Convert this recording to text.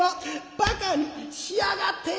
バカにしやがって！」。